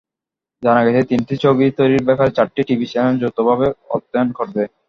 জানা গেছে, তিনটি ছবি তৈরির ব্যাপারে চারটি টিভি চ্যানেল যৌথভাবে অর্থায়ন করবে।